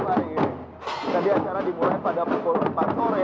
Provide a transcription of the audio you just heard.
jadi parade ini tadi acara dimulai pada pukul empat sore